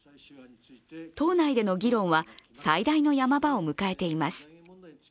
党内での議論は最大のヤマ場を迎えています。